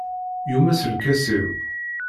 Yumes lkas-iw.